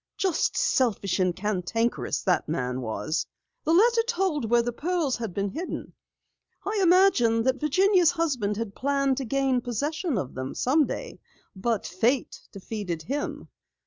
Just selfish and cantankerous, that man was! The letter told where the pearls had been hidden. I imagine that Virginia's husband had planned to gain possession of them someday, but fate defeated him.